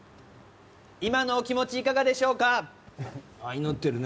今のお気持ちいかがでしょうか。